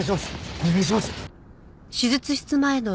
お願いします！